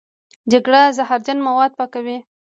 جګر زهرجن مواد پاکوي.